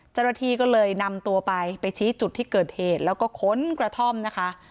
เจ้าหน้าที่ก็เลยนำตัวไปไปชี้จุดที่เกิดเหตุแล้วก็ค้นกระท่อมนะคะ